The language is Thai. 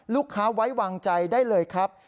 ลูกค้าไว้วางใจได้เลยครับ